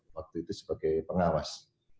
waktu itu sebagai pengawas